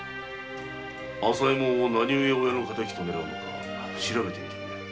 朝右衛門を何ゆえ親の敵と狙うのか調べてくれ。